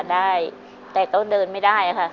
ได้แต่ก็เดินไม่ได้ค่ะ